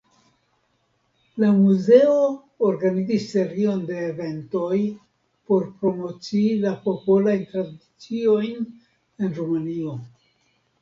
La muzeo organizis serion de eventoj por promocii la Popolajn Tradiciojn en Rumanio.